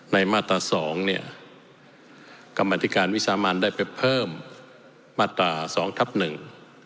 มาตราสองเนี่ยกรรมธิการวิสามันได้ไปเพิ่มมาตราสองทับหนึ่ง